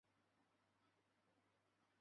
黄绿薹草为莎草科薹草属的植物。